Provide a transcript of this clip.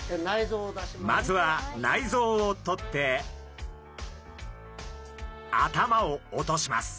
まずは内臓を取って頭を落とします。